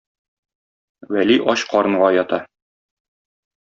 Вәли ач карынга ята.